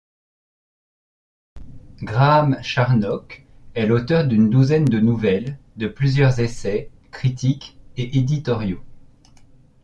Graham Charnock est l'auteur d'une douzaine de nouvelles, de plusieurs essais, critiques et éditoriaux.